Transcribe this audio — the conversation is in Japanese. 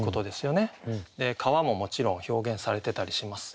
川ももちろん表現されてたりします。